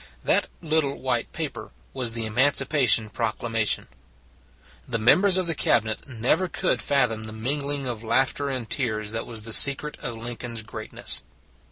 That little white paper was the Emanci pation Proclamation. The members of the Cabinet never could fathom the mingling of laughter and tears that was the secret of Lincoln s greatness.